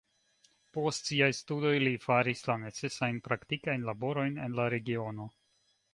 Post siaj studoj li faris la necesajn praktikajn laborojn en la regiono.